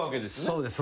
そうです。